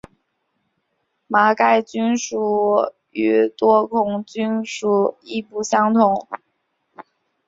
麻盖菌属与多孔菌属亦不同。